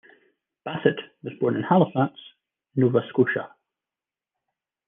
Bassett was born in Halifax, Nova Scotia.